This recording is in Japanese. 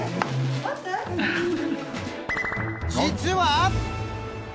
実は！